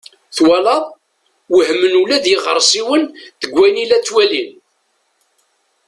Twalaḍ! Wehmen ula d iɣersiwen deg wayen i la ttwalin.